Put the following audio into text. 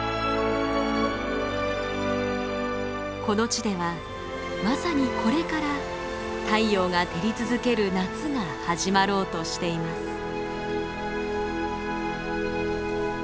この地ではまさにこれから太陽が照り続ける夏が始まろうとしています。